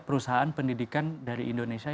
perusahaan pendidikan dari indonesia